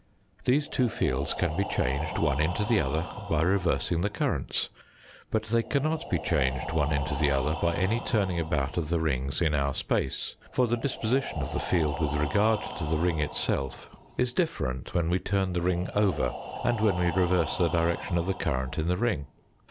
These two fields can be changed one into the other by reversing the currents, but they cannot be changed one into the other by any turning about of the rings in our space ; for the disposition of the field with regard to the ring itself is different when we 2 18 THE FOURTH DIMENSION turn the ring, over and when we reverse the direction of the current in the ring.